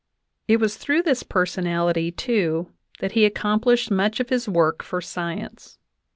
It was through this personality, too, that he accom plished much of his work for science.